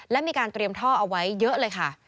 และมีการเตรียมท่อเอาไว้เยอะเลยค่ะ